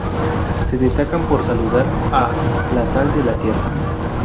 Se destacan por saludar a "la sal de la tierra".